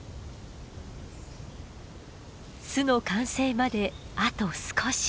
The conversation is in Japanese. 巣の完成まであと少し。